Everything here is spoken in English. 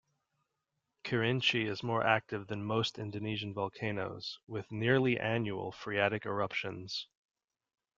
Kerinci is more active than most Indonesian volcanoes, with nearly annual phreatic eruptions.